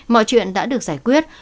mọi chuyện đã được giải quyết